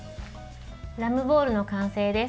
ラムボールの完成です。